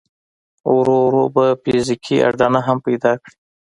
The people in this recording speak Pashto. ورو ورو به فزيکي اډانه هم پيدا کړي.